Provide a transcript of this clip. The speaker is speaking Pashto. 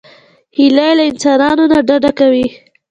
هیلۍ له انسانانو نه ډډه کوي